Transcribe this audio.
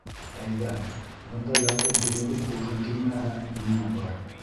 — Әйҙә, бында ятып дөмөгөп ҡуйғың килмәһә, миңә бар.